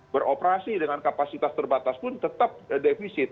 beroperasi dengan kapasitas terbatas pun tetap defisit